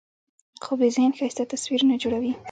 خوب د ذهن ښایسته تصویرونه جوړوي